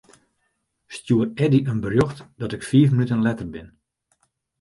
Stjoer Eddy in berjocht dat ik fiif minuten letter bin.